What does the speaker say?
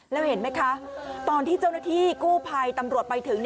แล้วเห็นไหมคะตอนที่เจ้าหน้าที่กู้ภัยตำรวจไปถึง